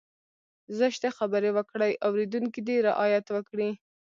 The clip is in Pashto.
زشتې خبرې وکړي اورېدونکی دې رعايت وکړي.